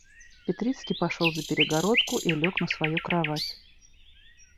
Петрицкий пошел за перегородку и лег на свою кровать.